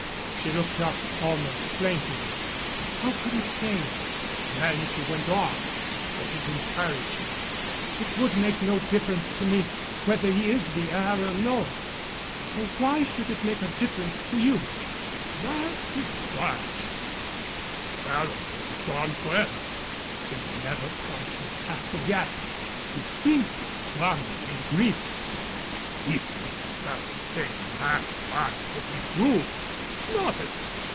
She looked up almost plaintively. "How could it fail?" Then she went on, for his encouragement: "It would make no difference to me whether he is the heir or no. So why should it make a difference to you?" "That decides me. The fellow is gone forever. He will never cross your path again. You think your quandary is grievous. Even if the fellow came back, what could he prove? Nothing.